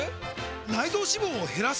内臓脂肪を減らす！？